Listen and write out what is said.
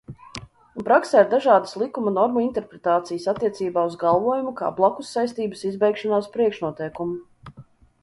Un praksē ir dažādas likuma normu interpretācijas attiecībā uz galvojumu kā blakussaistības izbeigšanās priekšnoteikumu.